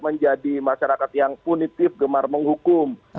menjadi masyarakat yang punitif gemar menghukum